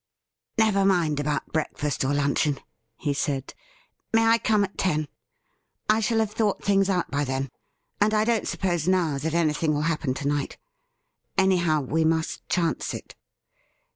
' Never mind about breakfast or luncheon,' he said ;' may I come at ten ? I shall have thought things out by then, and I don't suppose now that anything will happen to night. Anyhow, we must chance it.'